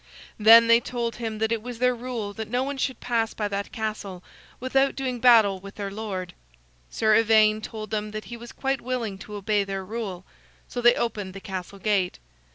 Then they told him that it was their rule that no one should pass by that castle without doing battle with their lord. Sir Ivaine told them that he was quite willing to obey their rule; so they opened the castle gate.